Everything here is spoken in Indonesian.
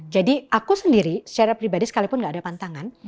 jadi aku sendiri secara pribadi sekalipun gak ada pantangan